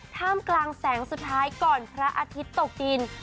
ท่ามกลางแสงสุดท้ายก่อนพระอาทิตย์ตกดิน